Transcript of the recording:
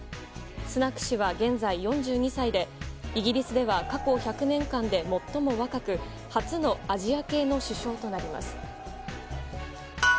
スナク氏は現在、４２歳でイギリスでは過去１００年間で最も若く初のアジア系の首相となります。